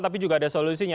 tapi juga ada solusinya